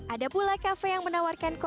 ada pula kafe yang menawarkan